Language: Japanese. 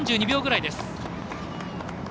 ３２秒ぐらいです。